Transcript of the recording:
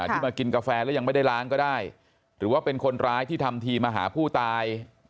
ที่มากินกาแฟแล้วยังไม่ได้ล้างก็ได้หรือว่าเป็นคนร้ายที่ทำทีมาหาผู้ตาย